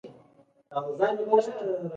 د هغه قصیده د فلک له ناخوالو او چارو شکایت کوي